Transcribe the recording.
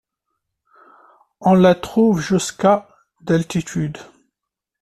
On la trouve jusqu'à d'altitude.